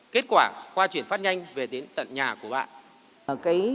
kết quả khoa chuyển phát nhanh về đến tận nhà của bạn